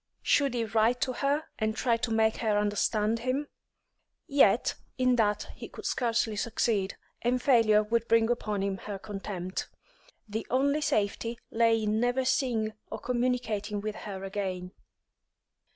Should he write to her and try to make her understand him? Yet in that he could scarcely succeed, and failure would bring upon him her contempt. The only safety lay in never seeing or communicating with her again.